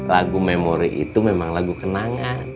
lagu memori itu memang lagu kenangan